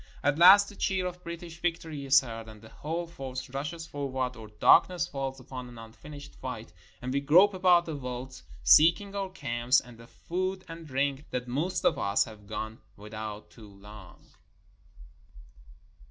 At last the cheer of British victory is heard, and the whole force rushes forward, or darkness falls upon an unfinished fight, and we grope about the veldt, seeking our camps, and the food and drink that most of us have gone without too long.